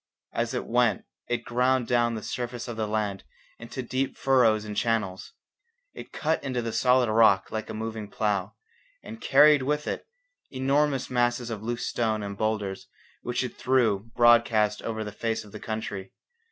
As it went it ground down the surface of the land into deep furrows and channels; it cut into the solid rock like a moving plough, and carried with it enormous masses of loose stone and boulders which it threw broadcast over the face of the country.